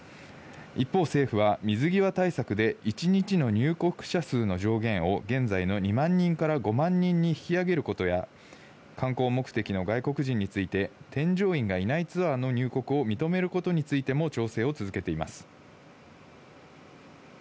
一方、政府は水際対策で一日の入国者数の上限を現在の２万人から５万人に引き上げることや観光目的の外国人について、添乗員がいないツアーの入国を認めることについても調整を続けています。